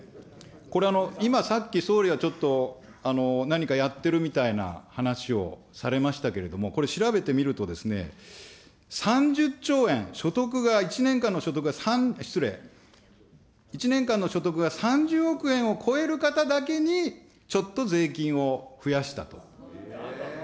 これ、今さっき、総理はちょっと、何かやってるみたいな話をされましたけれども、これ、調べてみるとですね、３０兆円、所得が、１年間の所得が、失礼、１年間の所得が３０億円を超える方だけにちょっと税金を増やしたと。